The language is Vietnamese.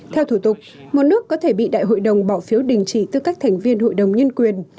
theo thủ tục một nước có thể bị đại hội đồng bỏ phiếu đình chỉ tư cách thành viên hội đồng nhân quyền